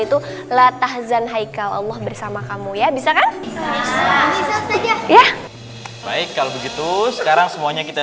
itulah tahzan haikal allah bersama kamu ya bisa kan ya baik kalau begitu sekarang semuanya kita